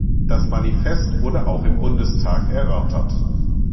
Das Manifest wurde auch im Bundestag erörtert.